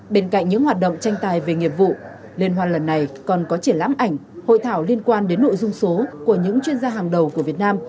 bên cạnh những hoạt động tranh tài về nghiệp vụ liên hoan lần này còn có triển lãm ảnh hội thảo liên quan đến nội dung số của những chuyên gia hàng đầu của việt nam